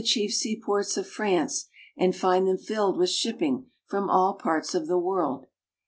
chief seaports of France, and find them filled with shipping from all parts of the world.